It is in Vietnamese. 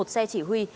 một xe chỉ huy